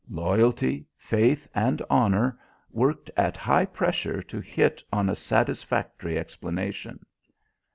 Loyalty, faith and honour worked at high pressure to hit on a satisfactory explanation.